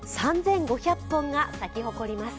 ３５００本が咲き誇ります。